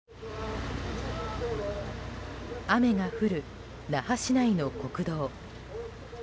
雨が降る那覇市内の国道。